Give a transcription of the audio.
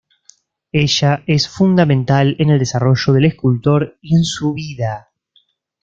Ella es fundamental en el desarrollo del escultor y en su vida.